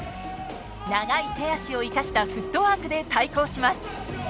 長い手足を生かしたフットワークで対抗します。